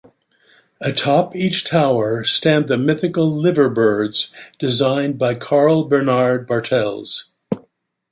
Atop each tower stand the mythical Liver Birds, designed by Carl Bernard Bartels.